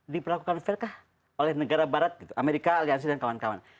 diperlakukan fair kah oleh negara barat gitu amerika aliansi dan kawan kawan